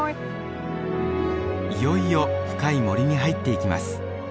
いよいよ深い森に入っていきます。